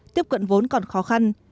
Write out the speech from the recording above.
tiếp cận vốn còn khó khăn